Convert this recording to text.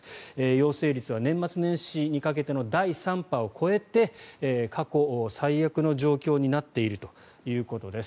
陽性率は年末年始にかけての第３波を超えて過去最悪の状況になっているということです。